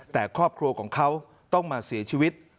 แต่ครอบครัวของเขาต้องมาเสียชีวิต